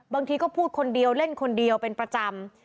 บางทีก็พูดคนเดียวเล่นคนเดียวเป็นประจำ